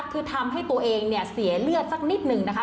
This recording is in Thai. คือทำให้ตัวเองเนี่ยเสียเลือดสักนิดหนึ่งนะคะ